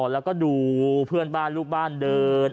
แล้วก็ดูเพื่อนบ้านลูกบ้านเดิน